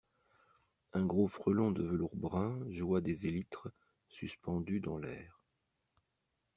Un gros frelon de velours brun joua des élytres, suspendu dans l'air.